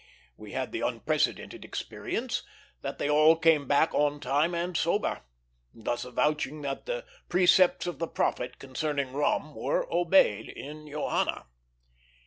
We had the unprecedented experience that they all came back on time and sober; thus avouching that the precepts of the Prophet concerning rum were obeyed in Johanna.